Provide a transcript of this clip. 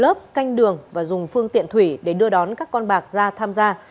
các đối tượng tổ chức canh đường và dùng phương tiện thủy để đưa đón các con bạc ra tham gia